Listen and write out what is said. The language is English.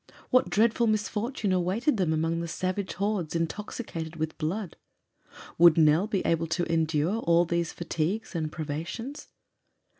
What dreadful misfortune awaited them among the savage hordes intoxicated with blood? Would Nell be able to endure all these fatigues and privations?